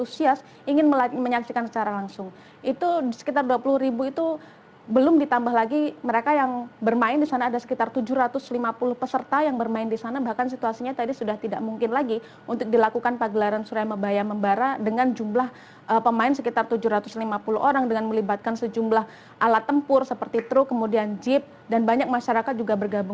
selamat malam eka